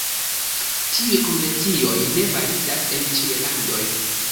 Tiuj konvencioj ne validas en ĉiuj landoj.